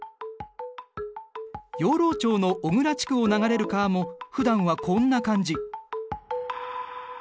養老町の小倉地区を流れる川も普段はこんな感じ。